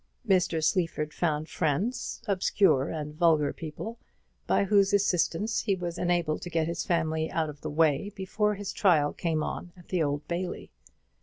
Mr. Sleaford found friends, obscure and vulgar people, by whose assistance he was enabled to get his family out of the way before his trial came on at the Old Bailey.